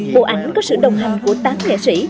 bộ ảnh có sự đồng hành của tám nghệ sĩ